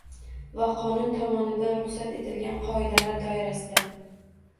va qonun tomonidan ruxsat etilgan qoidalar doirasida